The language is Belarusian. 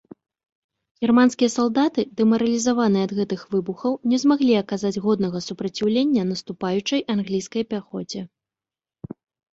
Германскія салдаты, дэмаралізаваныя ад гэтых выбухаў, не змаглі аказаць годнага супраціўлення наступаючай англійскай пяхоце.